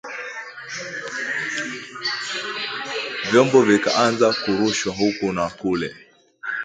Vyombo vikaanza kurushwa huku na kule